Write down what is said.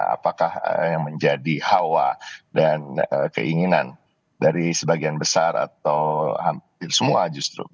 apakah yang menjadi hawa dan keinginan dari sebagian besar atau hampir semua justru